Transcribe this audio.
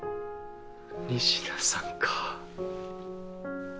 「仁科さん」かぁ。